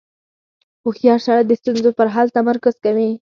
• هوښیار سړی د ستونزو پر حل تمرکز کوي.